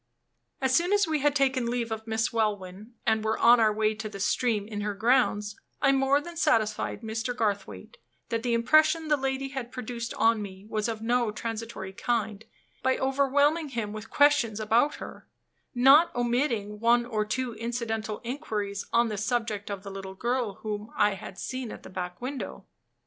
As soon as we had taken leave of Miss Welwyn, and were on our way to the stream in her grounds, I more than satisfied Mr. Garthwaite that the impression the lady had produced on me was of no transitory kind, by overwhelming him with questions about her not omitting one or two incidental inquiries on the subject of the little girl whom I had seen at the back window.